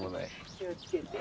気をつけて。